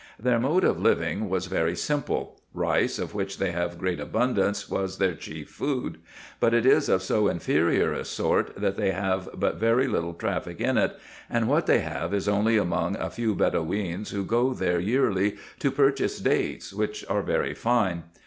Their mode of living was very simple ; rice, of which they have great abundance, was their chief food ; but it is of so inferior a sort, that they have but very little traffic in it, and what they have is only among a few Bedoweens who go there yearly to purchase dates, winch are very fine.